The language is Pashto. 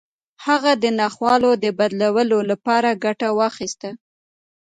هغه د ناخوالو د بدلولو لپاره ګټه واخيسته.